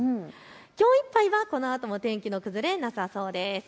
きょういっぱいはこのあとも天気の崩れなさそうです。